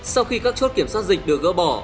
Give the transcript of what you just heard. sau khi các chốt kiểm soát dịch được gỡ bỏ